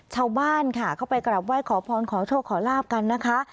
ชาวบ้านค่ะเข้าไปกลับไหว้ขอพรขอโชคขอลาบกันนะคะ